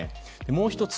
もう１つ。